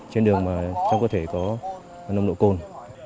trên đường trong cơ thể có nồng độ cồn